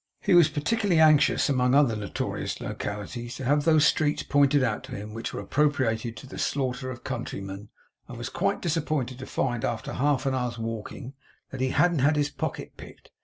He was particularly anxious, among other notorious localities, to have those streets pointed out to him which were appropriated to the slaughter of countrymen; and was quite disappointed to find, after half an hour's walking, that he hadn't had his pocket picked.